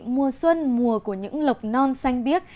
mùa xuân mùa của những lục non xanh biếc